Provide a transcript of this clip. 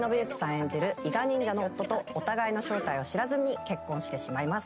演じる伊賀忍者の夫とお互いの正体を知らずに結婚してしまいます。